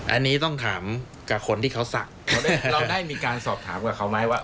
อันนี้ต้องถามกับคนที่เขาศักดิ์เราได้มีการสอบถามกับเขาไหมว่า